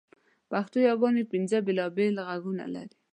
پښتو یاګاني پینځه بېل بېل ږغونه دي.